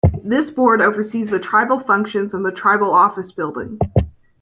This board oversees the tribal functions and the tribal office building.